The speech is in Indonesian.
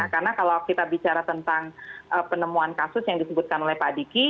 karena kalau kita bicara tentang penemuan kasus yang disebutkan oleh pak diki